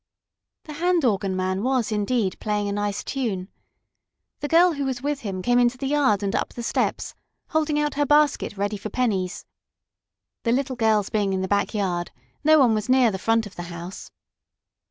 The hand organ man was, indeed, playing a nice tune. The girl who was with him came into the yard and up the steps, holding out her basket ready for pennies. The little girls being in the back yard, no one was near the front of the house.